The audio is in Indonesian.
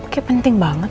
kayak penting banget